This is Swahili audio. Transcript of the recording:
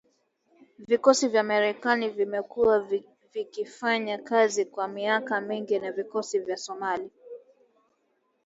Vikosi vya Marekani vimekuwa vikifanya kazi kwa miaka mingi na vikosi vya Somalia